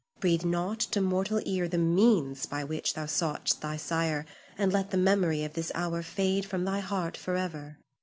Breathe not to mortal ear the means by which thou sought'st thy sire, and let the memory of this hour fade from thy heart forever.